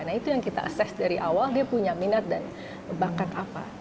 nah itu yang kita ases dari awal dia punya minat dan bakat apa